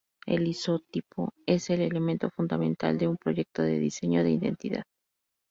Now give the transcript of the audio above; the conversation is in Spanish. El isotipo es el elemento fundamental de un proyecto de diseño de identidad.